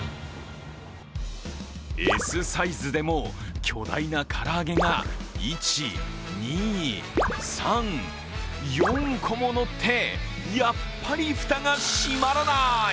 Ｓサイズでも、巨大な唐揚げが１、２、３、４個ものって、やっぱり蓋が閉まらない！